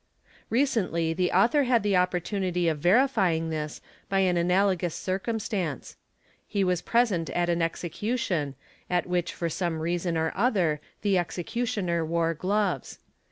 i: Recently the author had the opportunity of verifying this by al analogous circumstance. He was present at an execution at which fo some reason or other the executioner wore gloves.